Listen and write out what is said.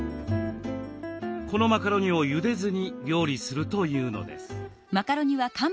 このマカロニをゆでずに料理するというのです。